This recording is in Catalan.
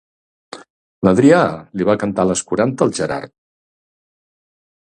L'Adrià li va cantar les quaranta al Gerard.